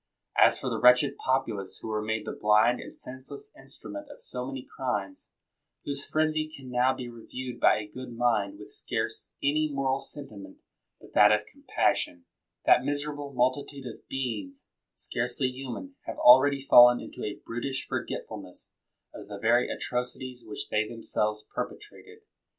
As for the wretched populace who were made the blind and senseless instrument of so many crimes, whose frenzy can now be reviewed by a good mind with scarce any moral sentiment but that of compassion; that miserable multi tude of beings, scarcely human, have already fallen into a brutish forgetfulness of the very atrocities which they themselves perpetrated.